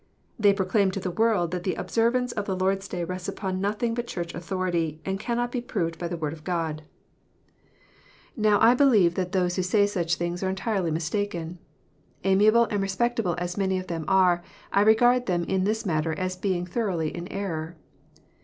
They proclaim to the world that the observance of the Lord s Day rests upon nothing but Church authority, and cannot be proved by the Word of God. 300 KNOTS UNTIED. Now I believe that those who say such things are entirely mistaken. Amiable and respectable as many of them are, I regard them in this matter as being thoroughly in error.